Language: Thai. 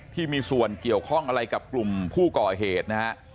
ที่มีส่วนเกี่ยวข้องอะไรกับกลุ่มผู้ก่อเหตุนะฮะ